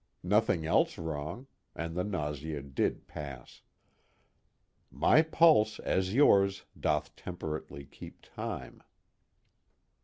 Nothing else wrong, and the nausea did pass. "_My pulse, as yours, doth temperately keep time.